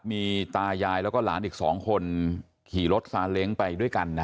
มีตายายแล้วก็หลานอีก๒คนขี่รถซาเล้งไปด้วยกัน